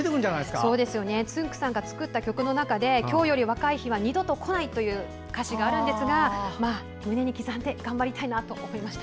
つんく♂さんが作った曲の中で今日より若い日は二度と来ないという歌詞があるんですが胸に刻んで頑張りたいなと思いました。